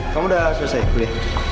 kamu sudah selesai kuliah